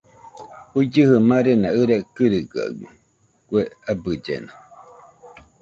Juigɨjɨ marena ɨraɨ kɨrɨgaɨmo, kue abɨllena